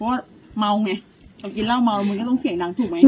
เพราะว่าเมาไงพอกินเหล้าเมามันก็ต้องเสียงดังถูกไหม